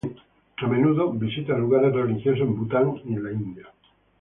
A menudo visita lugares religiosos en Bután y en la India.